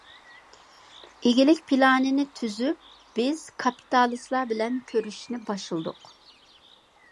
ئىگىلىك پىلانىنى تۈزۈپ، بىز كاپىتالىستلار بىلەن كۆرۈشۈشنى باشلىدۇق.